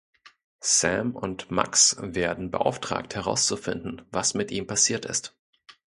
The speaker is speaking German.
Sam und Max werden beauftragt, herauszufinden, was mit ihm passiert ist.